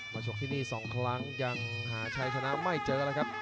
ฉกที่นี่๒ครั้งยังหาชัยชนะไม่เจอแล้วครับ